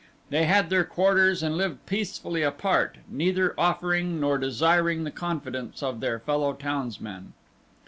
They had their quarters and lived peacefully apart, neither offering nor desiring the confidence of their fellow townsmen.